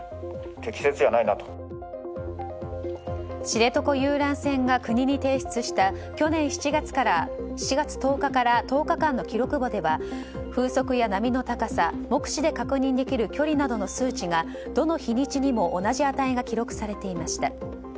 知床遊覧船が国に提出した去年７月１０日から１０日間の記録簿では風速や波の高さ目視で確認できる距離などの数値がどの日にちにも同じ値が記録されていました。